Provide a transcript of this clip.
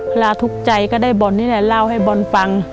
ทุกข์ใจก็ได้บอลนี่แหละเล่าให้บอลฟัง